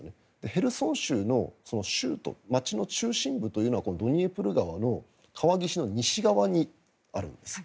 ヘルソン州の州都街の中心部というのはドニエプル川の川岸の西側にあるんです。